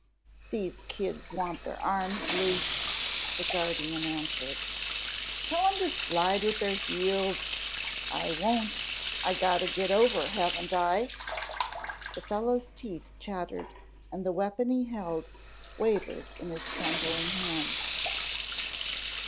"These kids want their arms loose," the guardian answered. "Tell 'em to slide with their heels " "I won't. I gotta get over, haven't I!" The fellow's teeth chattered and the weapon he held wavered in his trembling hand.